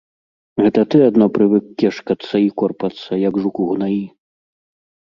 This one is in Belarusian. Гэта ты адно прывык кешкацца і корпацца, як жук у гнаі.